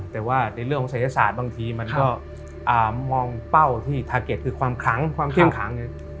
แต่ว่าในเรื่องของศัยศาสตร์บางทีมันก็มองเป้าที่ทาเก็ตคือความขลังความเข้มขัง